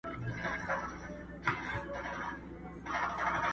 پر تاخچو، پر صندوقونو پر کونجونو؛